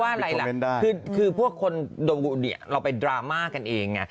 ด่าเยอะมากเลยนะ